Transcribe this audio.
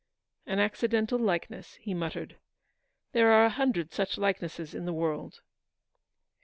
"An accidental likeness," he muttered; "there are a hundred such likenesses in the world."